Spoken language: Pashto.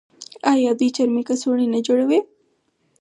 آیا دوی چرمي کڅوړې نه جوړوي؟